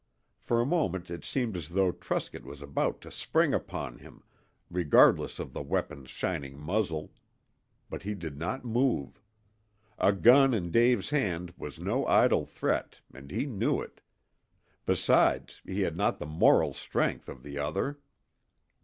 For a moment it seemed as though Truscott was about to spring upon him, regardless of the weapon's shining muzzle. But he did not move. A gun in Dave's hand was no idle threat, and he knew it. Besides he had not the moral strength of the other.